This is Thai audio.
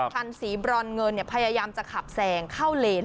คันสีบรอนเงินพยายามจะขับแซงเข้าเลน